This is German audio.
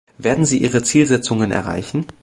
Werden Sie Ihre Zielsetzungen erreichen?